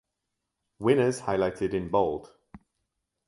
Winners highlighted in Bold.